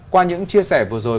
qua những chia sẻ vừa rồi